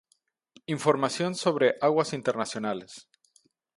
Información sobre aguas internacionales